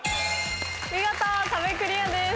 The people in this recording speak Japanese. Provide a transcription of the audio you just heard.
見事壁クリアです。